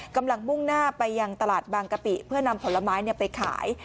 กำลังมุ่งหน้าไปยังตลาดบางกะปิเพื่อนำผลไม้เนี่ยไปขาย